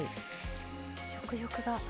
食欲が。